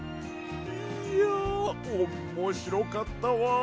いやおんもしろかったわ。